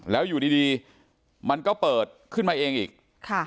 แล้วอยู่ดีมันก็เปิดขึ้นมาเองอีกค่ะ